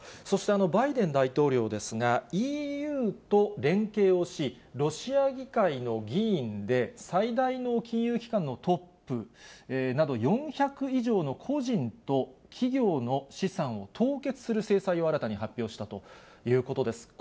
そしてバイデン大統領ですが、ＥＵと連携をし、ロシア議会の議員で最大の金融機関のトップなど、４００以上の個人と企業の資産を凍結する制裁を新たに発表したということです。